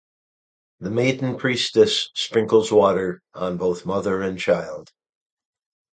The maiden priestess sprinkles water on both mother and child.